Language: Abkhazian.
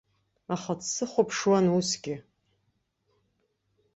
Аха дсыхәаԥшуан усгьы.